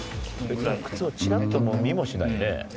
靴をチラッとも見もしないね。